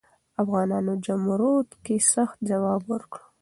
افغانانو جمرود کې سخت ځواب ورکړ.